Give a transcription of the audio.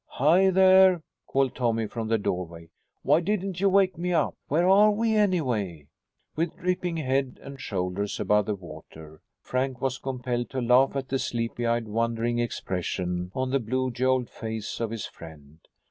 "Hi there!" called Tommy from the doorway. "Why didn't you wake me up? Where are we, anyway?" With dripping head and shoulders above the water, Frank was compelled to laugh at the sleepy eyed, wondering expression on the blue jowled face of his friend.